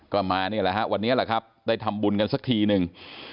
ก็มานี่แหละฮะวันนี้แหละครับได้ทำบุญกันสักทีหนึ่ง